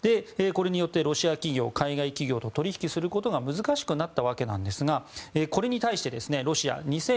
これによってロシア企業は海外企業と取引することが難しくなったわけなんですがこれに対して、ロシア。